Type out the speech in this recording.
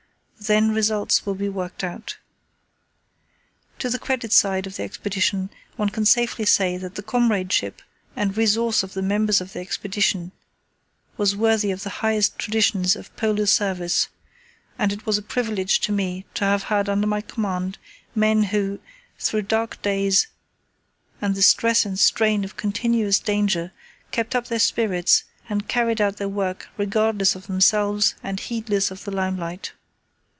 Then results will be worked out. To the credit side of the Expedition one can safely say that the comradeship and resource of the members of the Expedition was worthy of the highest traditions of Polar service; and it was a privilege to me to have had under my command men who, through dark days and the stress and strain of continuous danger, kept up their spirits and carried out their work regardless of themselves and heedless of the limelight.